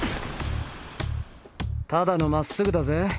ただの真っすぐだぜ。